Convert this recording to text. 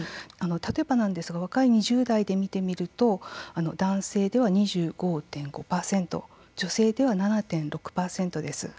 例えばなんですが若い２０代で見てみると男性では２５．５％女性では７．６％です。